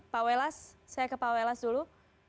pak welas saya ke pak welas dulu